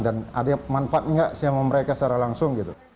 dan ada manfaat nggak sih sama mereka secara langsung